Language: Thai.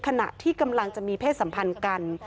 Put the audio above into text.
ขณะที่กำลังจะมีเพศสัมพันธ์กัน